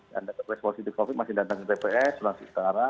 dan daftar positif covid masih datang di tps sulawesi utara